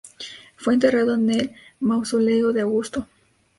Fue enterrado en el Mausoleo de Augusto.